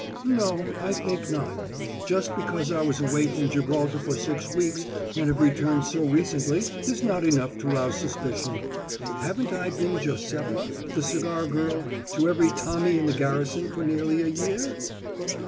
No, I think not. Just because I was away from Gibraltar for six weeks and have returned so recently is not enough to rouse suspicion. Haven't I been Josepha, the cigar girl, to every Tommy in the garrison for nearly a year?